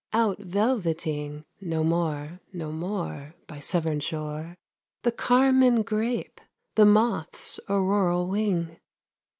Out velveting No more, no more, By Severn shore, The carmine grape, the moth's auroral wing.